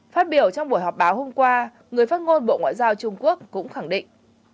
phát biểu trong buổi họp báo hôm qua người phát ngôn bộ ngoại giao trung quốc cũng khẳng định